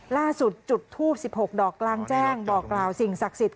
ล่าสุดจุดทูบ๑๖ดอกล้างแจ้งบอกราวสิ่งศักรรภิกษ์